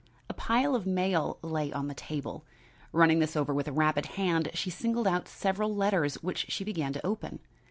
A pile of mail lay on the table. Running this over with a rapid hand, she singled out several letters which she began to open.